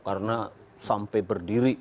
karena sampai berdiri